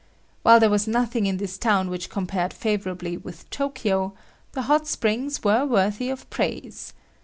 While there was nothing in this town which compared favorably with Tokyo, the hot springs were worthy of praise.